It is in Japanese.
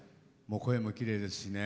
声もきれいですしね